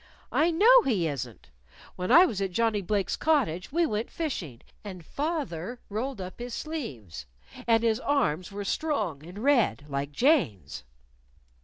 "I know he isn't. When I was at Johnnie Blake's cottage, we went fishing, and fath er rolled up his sleeves. And his arms were strong; and red, like Jane's."